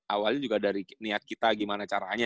awalnya juga dari niat kita gimana caranya